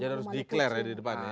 jadi harus di clair ya di depannya